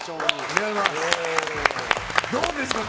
どうですか。